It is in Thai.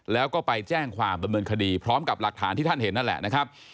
แล้วก็ไปแจ้งความดำเนินคดีพร้อมกับหลักฐานที่ท่านเห็นนั่นแหละนะครับ